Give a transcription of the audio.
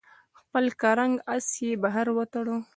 خپل کرنګ آس یې بهر وتاړه.